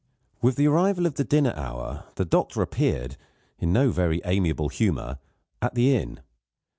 With the arrival of the dinner hour the doctor appeared, in no very amiable humour, at the inn.